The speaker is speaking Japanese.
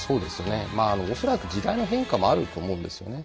恐らく時代の変化もあると思うんですよね。